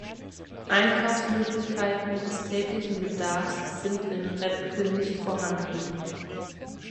Einkaufsmöglichkeiten des täglichen Bedarfs sind in Repke nicht vorhanden.